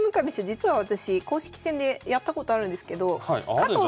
実は私公式戦でやったことあるんですけど。